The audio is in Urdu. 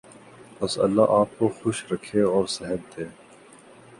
بس اللہ آپ کو خوش رکھے اور صحت دے۔